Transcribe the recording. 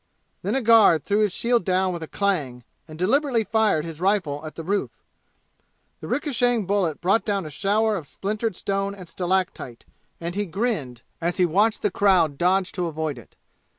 Then a guard threw his shield down with a clang and deliberately fired his rifle at the roof. The ricocheting bullet brought down a shower of splintered stone and stalactite, and he grinned as he watched the crowd dodge to avoid it.